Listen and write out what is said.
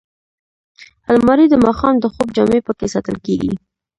الماري د ماښام د خوب جامې پکې ساتل کېږي